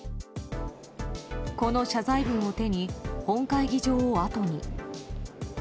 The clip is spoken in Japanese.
この謝罪文を手に本会議場をあとに。